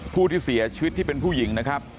ผู้ที่เสียชีวิตที่เป็นผู้หญิงนะครับ